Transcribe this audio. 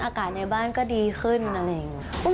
อากาศในบ้านก็ดีขึ้นอะไรอย่างนี้ค่ะ